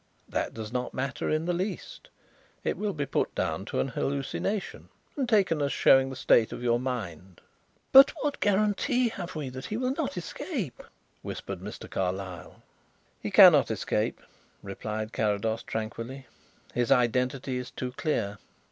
"That does not matter in the least. It will be put down to an hallucination and taken as showing the state of your mind." "But what guarantee have we that he will not escape?" whispered Mr. Carlyle. "He cannot escape," replied Carrados tranquilly. "His identity is too clear."